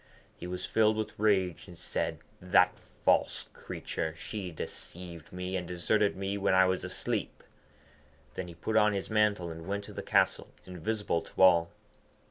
He was filled with rage, and said, 'The false creature! She deceived me, and deserted me when I was asleep.' Then he put on his mantle, and went to the castle, invisible to all.